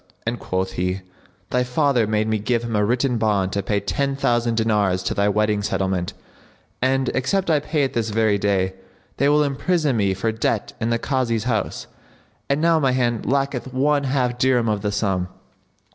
and quoth he, "Thy father made me give him a written bond to pay ten thousand dinars to thy wedding settlement; and, except I pay it this very day, they will imprison me for debt in the Kazi's house; and now my hand lacketh one half dirham of the sum."